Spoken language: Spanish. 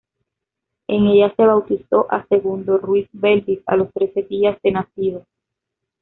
En ella se bautizó a Segundo Ruiz Belvis a los trece días de nacido.